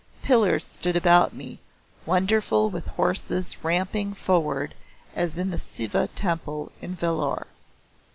Pillars stood about me, wonderful with horses ramping forward as in the Siva Temple at Vellore.